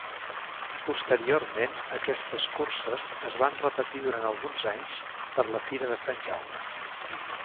Posteriorment aquestes curses es van repetir durant alguns anys per la fira de Sant Jaume.